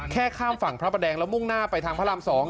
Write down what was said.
ข้ามฝั่งพระประแดงแล้วมุ่งหน้าไปทางพระราม๒